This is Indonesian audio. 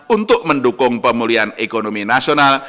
untuk mendukung pemulihan ekonomi nasional